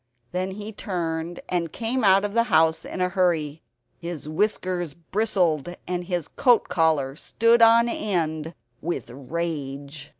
Then he turned and came out of the house in a hurry. His whiskers bristled and his coat collar stood on end with rage.